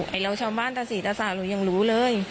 ไอ้เราชาวบ้านตะศรีตะสาหนูยังรู้เลย